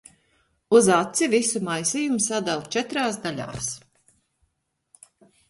Uz aci visu maisījumu sadala četrās daļās.